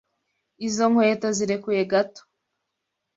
Izo nkweto zirekuye gato.